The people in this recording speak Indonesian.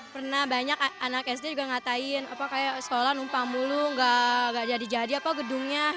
pernah banyak anak sd juga ngatain apa kayak sekolah numpang mulu nggak jadi jadi apa gedungnya